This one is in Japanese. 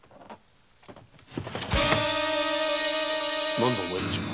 何だお前たちは？